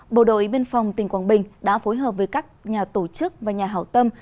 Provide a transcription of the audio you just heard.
bộ đội biên phòng tỉnh quảng bình đã phối hợp với các nhà tổ chức và nhà hảo tâm